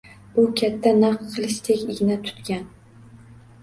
U katta naq qilichdek igna tutgan.